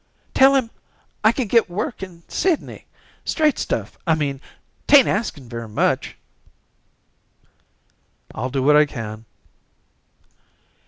"Tell him I can get work in Sydney, straight stuff, I mean. 'Tain't asking very much." "I'll do what I can."